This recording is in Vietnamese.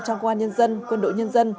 trong quân an nhân dân quân đội nhân dân